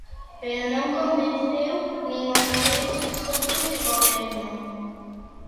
Pero non convenceu nin os seus socios de Goberno.